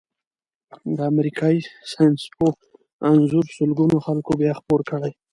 د امریکايي ساینسپوه انځور سلګونو خلکو بیا خپور کړی.